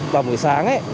vào buổi sáng ấy